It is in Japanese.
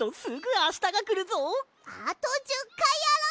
あと１０かいやろう！